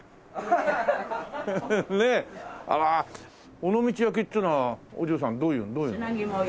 尾道焼きっていうのはお嬢さんどういうの？